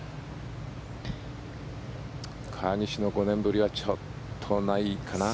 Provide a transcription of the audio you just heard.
川岸の５年ぶりはちょっとないかな。